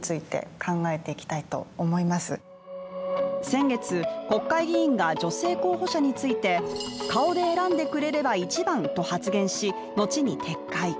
先月、国会議員が女性候補者について顔で選んでくれれば一番と発言し、後に撤回。